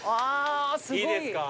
いいですか？